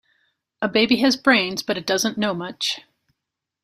A baby has brains, but it doesn't know much.